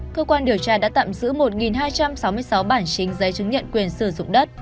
cơ quan điều tra đã tạm giữ một hai trăm sáu mươi sáu bản chính giấy chứng nhận quyền sử dụng đất